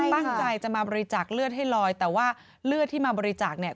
ตั้งใจจะมาบริจาคเลือดให้ลอยแต่ว่าเลือดที่มาบริจาคเนี่ย